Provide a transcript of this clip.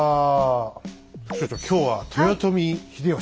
副所長今日は豊臣秀吉。